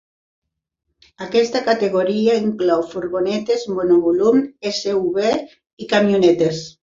Aquesta categoria inclou furgonetes, monovolums, SUV i camionetes.